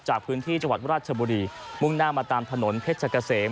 จากพื้นที่จังหวัดราชบุรีมุ่งหน้ามาตามถนนเพชรกะเสม